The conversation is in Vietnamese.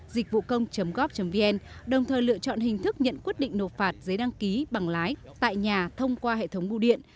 dịch vụcông gov vn đồng thời lựa chọn hình thức nhận quyết định nộp phạt dưới đăng ký bằng lái tại nhà thông qua hệ thống bù điện